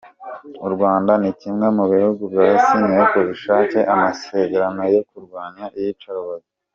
U Rwanda ni kimwe mu bihugu byasinye ku bushake amasezerano yo kurwanya iyicarubozo.